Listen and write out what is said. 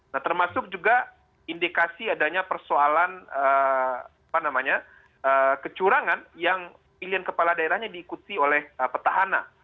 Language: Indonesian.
nah termasuk juga indikasi adanya persoalan kecurangan yang pilihan kepala daerahnya diikuti oleh petahana